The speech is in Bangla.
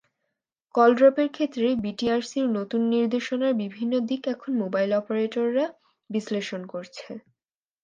কলড্রপের ক্ষেত্রে বিটিআরসির নতুন নির্দেশনার বিভিন্ন দিক এখন মোবাইল অপারেটররা বিশ্লেষণ করছে।